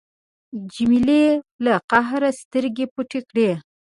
جمیلې له قهره سترګې پټې کړې.